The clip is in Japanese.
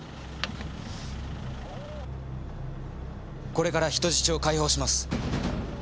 これから人質を解放します。